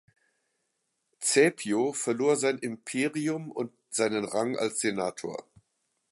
Caepio verlor sein Imperium und seinen Rang als Senator.